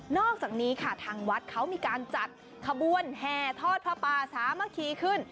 อกจากนี้ค่ะทางวัดเขามีการจัดขบวนแห่ทอดผ้าป่าสามัคคีขึ้น